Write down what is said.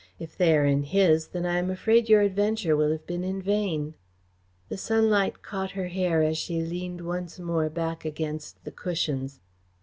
If they are in his, then I am afraid your adventure will have been in vain." The sunlight caught her hair as she leaned once more back against the cushions.